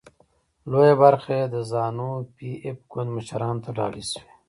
لویه برخه یې د زانو پي ایف ګوند مشرانو ته ډالۍ شوې.